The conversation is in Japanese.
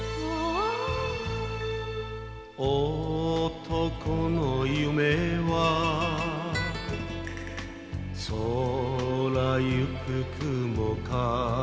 「男の夢は空ゆく雲か」